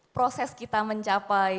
proses kita mencapai